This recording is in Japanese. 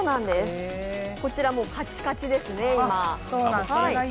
こちらカチカチですね、今。